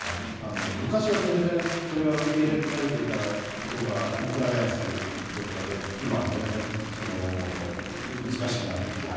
昔は全然それが受け入れられていたことがコンプライアンスのこととかで今は全然、難しくなってきている。